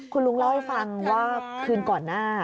คุณลุงเล่าให้ฟังว่าคืนก่อนหน้า